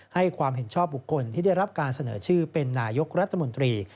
ให้ความเห็นชอบบุคคลที่ได้รับการเสนอชื่อเป็นนายกรัฐมนตรี